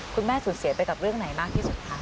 คุณแม่สูญเสียไปกับเรื่องไหนมากที่สุดคะ